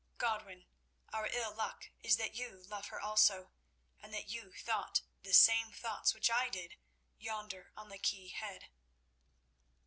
"Godwin, our ill luck is that you love her also, and that you thought the same thoughts which I did yonder on the quay head."